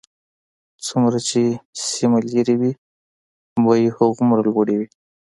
څومره چې سیمه لرې وي بیې هغومره لوړې وي